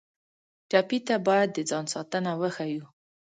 ټپي ته باید د ځان ساتنه وښیو.